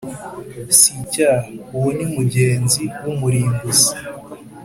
“si icyaha”,uwo ni mugenzi w’umurimbuzi